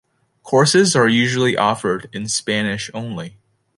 Courses are usually offered in Spanish only.